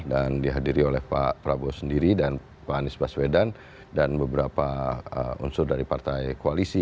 dan dihadiri oleh pak prabowo sendiri dan pak anies baswedan dan beberapa unsur dari partai koalisi